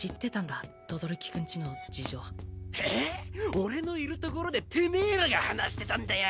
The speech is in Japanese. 俺のいるところでてめぇらが話してたんだよ。